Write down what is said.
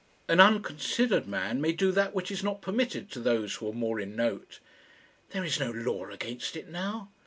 An unconsidered man may do that which is not permitted to those who are more in note." "There is no law against it now."